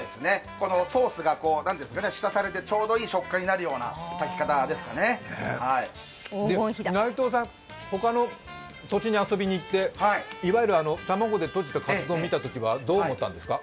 ソースが浸されてちょうどよくなるような内藤さん、他の土地に遊びに行って卵でとじたカツ丼を見たときにはどう思ったんですか？